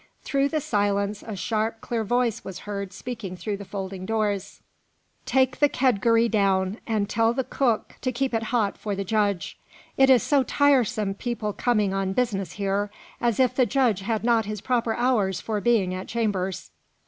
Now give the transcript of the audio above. Through the silence a sharp, clear voice was heard speaking through the folding doors. "Take the kedgeree down, and tell the cook to keep it hot for the judge. It is so tiresome people coming on business here, as if the judge had not his proper hours for being at chambers."